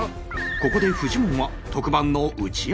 ここでフジモンは特番の打ち合わせへ